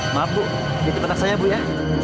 maaf bu jadi petak saya bu ya